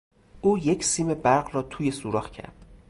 او یک سیم برق را توی سوراخ کرد.